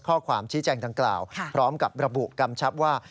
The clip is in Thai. ข้อความชี้แจงดังกล่าวพร้อมกับระบุกำชับว่า